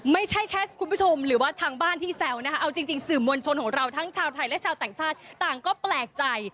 ไม่ใช่แค่คุณผู้ชมหรือว่าทางบ้านที่แซวนะคะเอาจริงสื่อมวลชนของเราทั้งชาวไทยและชาวต่างชาติต่างก็แปลกใจ